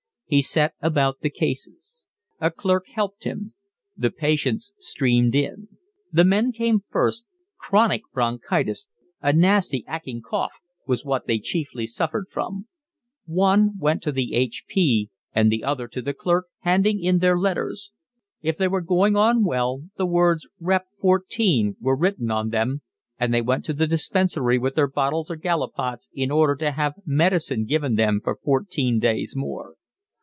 He set about the cases. A clerk helped him. The patients streamed in. The men came first. Chronic bronchitis, "a nasty 'acking cough," was what they chiefly suffered from; one went to the H.P. and the other to the clerk, handing in their letters: if they were going on well the words Rep 14 were written on them, and they went to the dispensary with their bottles or gallipots in order to have medicine given them for fourteen days more.